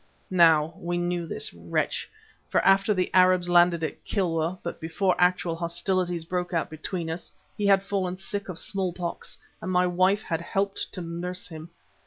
"Now we knew this wretch, for after the Arabs landed at Kilwa, but before actual hostilities broke out between us, he had fallen sick of smallpox and my wife had helped to nurse him.